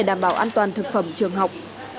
đảm bảo an toàn thực phẩm trường học